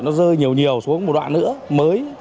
nó rơi nhiều nhiều xuống một đoạn nữa mới